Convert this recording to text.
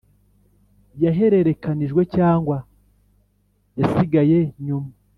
yahererekanijwe cyangwa yasigaye nyuma